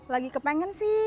lagi kepengen sih